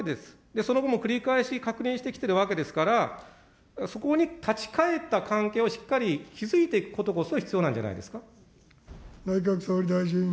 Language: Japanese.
その分も繰り返し確認してきているわけですから、そこに立ち返った関係をしっかり築いていくことこそ必要なんじゃないですか。